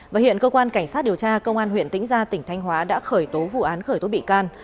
và hiện cơ quan cảnh sát điều tra công an huyện tĩnh gia tỉnh thanh hóa đã khởi tố vụ án khởi tố bị can